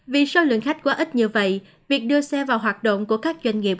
vì sau lượng khách quá ít như vậy việc đưa xe vào hoạt động của các doanh nghiệp